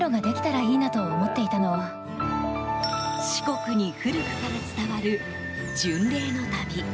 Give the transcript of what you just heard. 四国に古くから伝わる巡礼の旅。